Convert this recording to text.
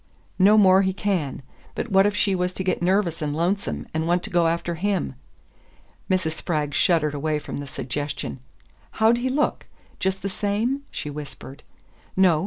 "No more he can. But what if she was to get nervous and lonesome, and want to go after him?" Mrs. Spragg shuddered away from the suggestion. "How'd he look? Just the same?" she whispered. "No.